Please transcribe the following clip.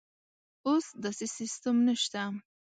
اوس داسې سیستم نشته.